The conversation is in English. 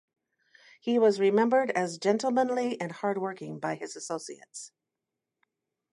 He was remembered as gentlemanly and hard-working by his associates.